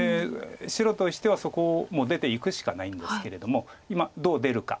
白としてはそこをもう出ていくしかないんですけれども今どう出るか。